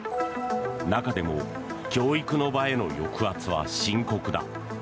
中でも教育の場への抑圧は深刻だ。